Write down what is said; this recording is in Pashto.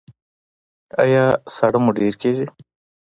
ایا ساړه مو ډیر کیږي؟